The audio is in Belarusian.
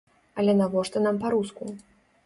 Але навошта нам па-руску?